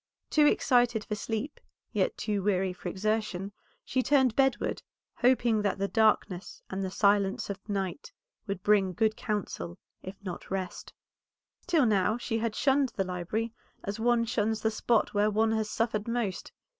Too excited for sleep, yet too weary for exertion, she turned bedward, hoping that the darkness and the silence of night would bring good counsel, if not rest. Till now she had shunned the library as one shuns the spot where one has suffered most.